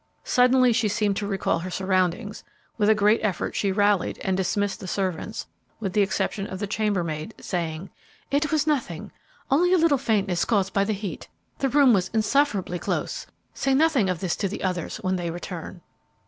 Suddenly she seemed to recall her surroundings; with a great effort she rallied and dismissed the servants, with the exception of the chambermaid, saying, "It was nothing, only a little faintness caused by the heat. The room was insufferably close. Say nothing of this to the others when they return."